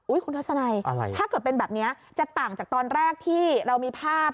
คุณทัศนัยถ้าเกิดเป็นแบบนี้จะต่างจากตอนแรกที่เรามีภาพ